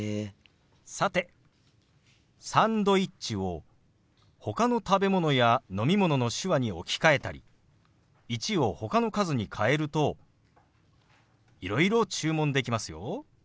さて「サンドイッチ」をほかの食べ物や飲み物の手話に置き換えたり「１」をほかの数に変えるといろいろ注文できますよ。